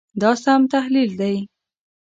دا سم تحلیل دی.